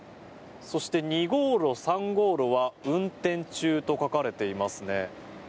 そして２号炉、３号炉は運転中と書かれていますね。